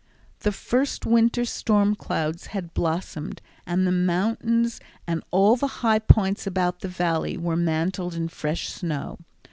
The first winter storm clouds had blossomed and the mountains and all the high points about the Valley were mantled in fresh snow.